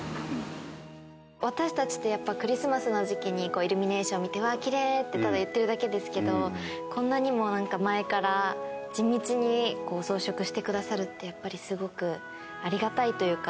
私たちってやっぱクリスマスの時期にイルミネーションを見て「うわきれい」ってただ言ってるだけですけどこんなにも前から地道に装飾してくださるってやっぱりすごくありがたいというか。